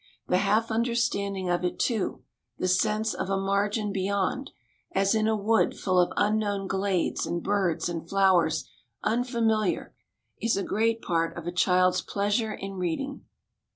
The half understanding of it, too, the sense of a margin beyond, as in a wood full of unknown glades and birds and flowers unfamiliar, is a great part of a child's pleasure in reading.